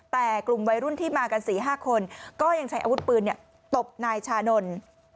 แต่กลุ่มวัยรุ่นที่มากัน๔๕คนก็ยังใช้อาวุธปืนตบนายชานนท์